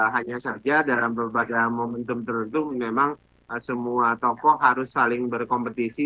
hanya saja dalam beberapa momentum tertentu memang semua tokoh harus saling berkompetisi